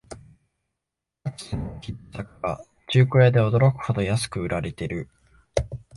かつてのヒット作が中古屋で驚くほど安く売られてる